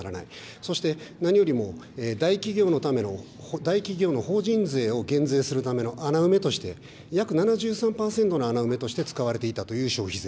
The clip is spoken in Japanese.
そして何よりも、大企業のための、大企業の法人税を減税するための穴埋めとして、約七十数パーセントの穴埋めとして使われていたという消費税。